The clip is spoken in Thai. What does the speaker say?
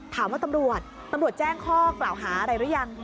ตำรวจตำรวจแจ้งข้อกล่าวหาอะไรหรือยัง